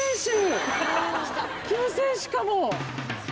救世主かも！